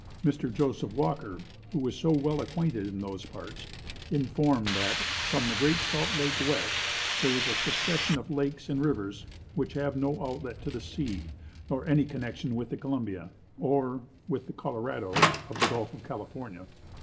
Mr. Joseph Walker, who is so well acquainted in those parts, informed that, from the Great Salt Lake west, there was a succession of lakes and rivers which have no outlet to the sea, nor any connection with the Columbia, or with the Colorado of the Gulf of California.